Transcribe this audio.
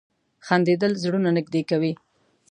• خندېدل زړونه نږدې کوي.